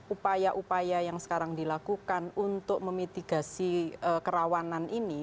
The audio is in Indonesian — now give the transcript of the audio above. upaya upaya yang sekarang dilakukan untuk memitigasi kerawanan ini